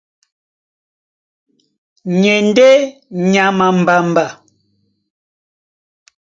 Ni e ndé nyama a mbamba.